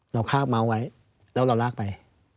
คาบเมาส์ไว้แล้วเราลากไป